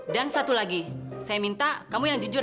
dan satu lagi saya minta kamu yang jujur ya